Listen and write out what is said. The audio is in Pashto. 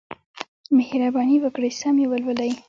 مهرباني وکړئ سم یې ولولئ.